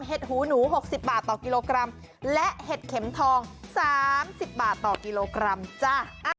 หูหนู๖๐บาทต่อกิโลกรัมและเห็ดเข็มทอง๓๐บาทต่อกิโลกรัมจ้ะ